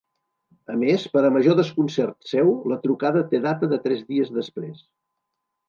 A més, per a major desconcert seu, la trucada té data de tres dies després.